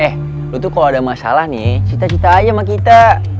eh lo tuh kalo ada masalah nih cita cita aja sama kita